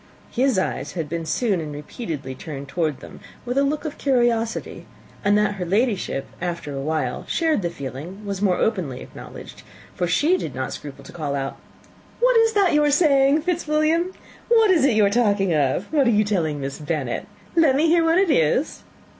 His eyes had been soon and repeatedly turned towards them with a look of curiosity; and that her Ladyship, after a while, shared the feeling, was more openly acknowledged, for she did not scruple to call out, "What is that you are saying, Fitzwilliam? What is it you are talking of? What are you telling Miss Bennet? Let me hear what it is."